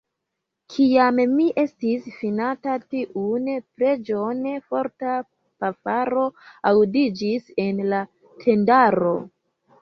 Kiam mi estis finanta tiun preĝon, forta pafaro aŭdiĝis en la tendaro.